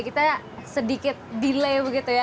kita sedikit delay begitu ya